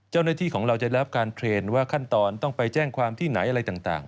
จะรับการเทรนว่าขั้นตอนต้องไปแจ้งความที่ไหนอะไรต่าง